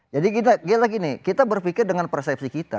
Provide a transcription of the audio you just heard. jadi kita berpikir dengan persepsi kita